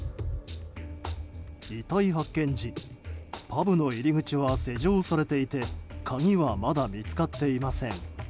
遺体発見時パブの入り口は施錠されていて鍵はまだ見つかっていません。